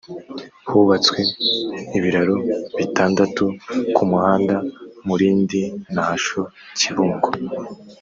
hubatswe ibiraro bitandatu ku muhanda mulindi nasho kibungo